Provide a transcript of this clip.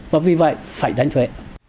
và vì vậy phải đánh thuế